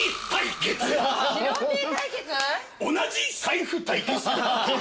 同じ財布対決！